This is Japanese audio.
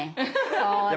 そうだ。